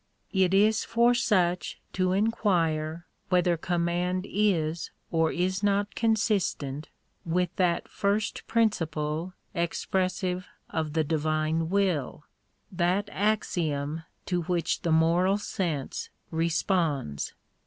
It is for such to I inquire whether command is or is not consistent with that first I principle expressive of the Divine will — that axiom to which ' the Moral Sense responds.